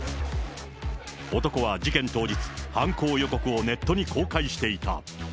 男は事件当日、犯行予告をネットに公開していた。